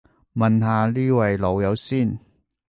問下呢位老友先